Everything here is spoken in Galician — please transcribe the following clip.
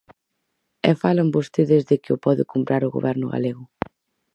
E falan vostedes de que o pode comprar o Goberno galego.